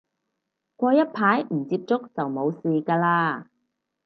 過一排唔接觸就冇事嘅喇